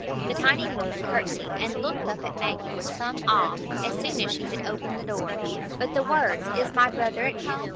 The tiny woman curtsied and looked up at Maggie with some awe as soon as she had opened the door; but the words, "Is my brother at home?"